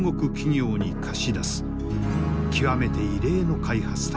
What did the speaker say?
極めて異例の開発だ。